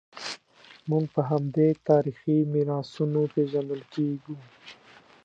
موږ په همدې تاریخي میراثونو پېژندل کېږو.